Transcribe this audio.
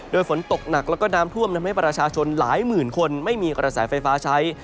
โดยฝนตกหนักแล้วก็น้ำท่วมทำให้ประชาชนหลายหมื่นคนไม่มีกระแสไฟฟ้าใช้